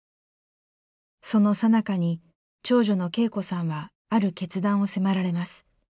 そのさなかに長女の景子さんはある決断を迫られます。